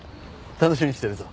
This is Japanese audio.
楽しみにしてるぞ。